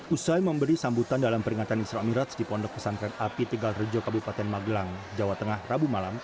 usai memberi sambutan dalam peringatan isro miraj di pondok pesantren api tegara jodima gelang jawa tengah rabu malam